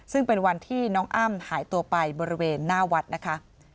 ซึ่งเป็นวันที่น้องอ้ำหายตัวไปบริเวณหน้าวัดนะคะ